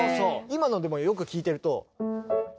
今のでもよく聴いてると。